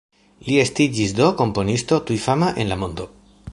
Li estiĝis do komponisto tuj fama en la mondo.